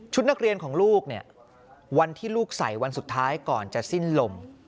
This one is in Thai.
นักเรียนของลูกเนี่ยวันที่ลูกใส่วันสุดท้ายก่อนจะสิ้นลม